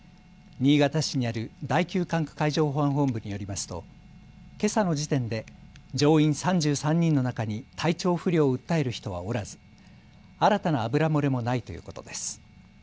新潟市にある第９管区海上保安本部によりますとけさの時点で乗員３３人の中に体調不良を訴える人はおらず新たな油漏れもないということです。